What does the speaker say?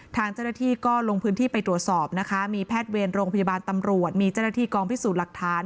ทางเจ้าหน้าที่ก็ลงพื้นที่ไปตรวจสอบนะคะมีแพทย์เวรโรงพยาบาลตำรวจมีเจ้าหน้าที่กองพิสูจน์หลักฐาน